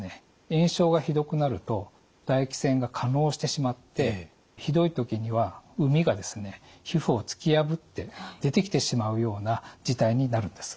炎症がひどくなると唾液腺が化のうしてしまってひどい時にはうみが皮膚を突き破って出てきてしまうような事態になるんです。